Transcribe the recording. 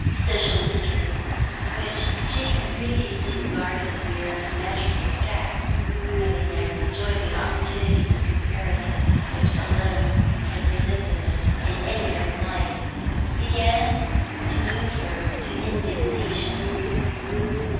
Social miseries, which she had previously regarded as mere matters of fact, having never enjoyed the opportunities of comparison which alone can present them in any other light, began to move her to indignation.